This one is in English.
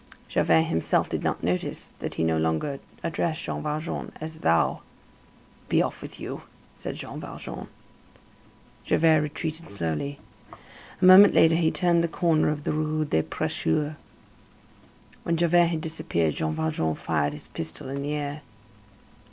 Javert himself did not notice that he no longer addressed Jean Valjean as "thou." "Be off with you," said Jean Valjean. Javert retreated slowly. A moment later he turned the corner of the Rue des Prêcheurs. When Javert had disappeared, Jean Valjean fired his pistol in the air.